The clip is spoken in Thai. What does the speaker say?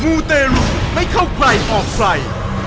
มูเตรุไม่เข้าใกล้ออกไฟ